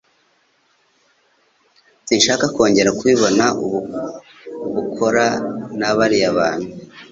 Sinshaka kongera kubibona ubukora nabariya bantu.